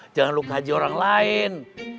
jangan lu kaji orang lain